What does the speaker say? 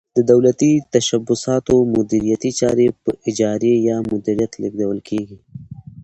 د دولتي تشبثاتو مدیریتي چارې په اجارې یا مدیریت لیږدول کیږي.